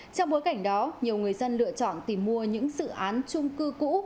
trong bối cảnh đó nhiều người dân lựa chọn tìm mua những dự án trung cư cũ